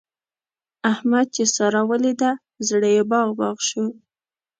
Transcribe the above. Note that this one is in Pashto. احمد چې سارا وليده؛ زړه يې باغ باغ شو.